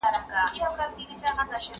هر انسان باید د خپل شخصیت معنويت جوړ کړي.